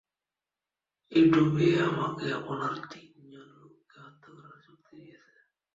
ওই ডুবে আমাকে আপনার তিনজন লোককে হত্যা করার চুক্তি দিয়েছে।